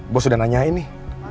bos udah nanyain nih